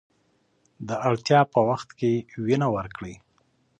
د اړتیا په وخت کې وینه ورکړئ.